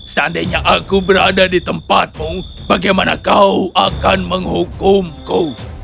seandainya aku berada di tempatmu bagaimana kau akan menghukumku